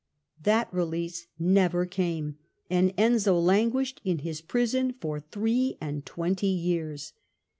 That release never came, and Enzio languished in his prison for three and twenty years.